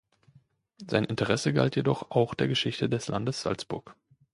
Sein Interesse galt jedoch auch der Geschichte des Landes Salzburg.